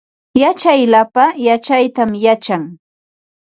Yachaq lapa yachaytam yachan